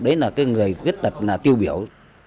đấy là cái người khuyết tật tiêu biểu